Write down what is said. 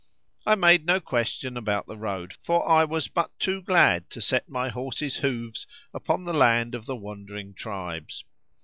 I made no question about the road, for I was but too glad to set my horse's hoofs upon the land of the wandering tribes.